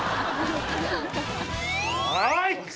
はい！